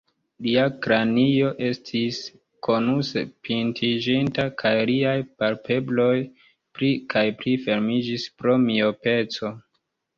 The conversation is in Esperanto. Lia kranio estis konuse pintiĝinta, kaj liaj palpebroj pli kaj pli fermiĝis pro miopeco.